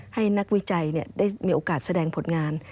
ให้นักวิจัยได้มีโอกาสแสดงผลงาน